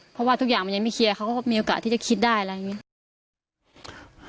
เพราะว่าทุกอย่างมันยังไม่เคลียร์เขาก็มีโอกาสที่จะคิดได้อะไรอย่างนี้